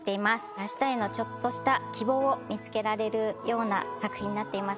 明日へのちょっとした希望を見つけられる作品になっています。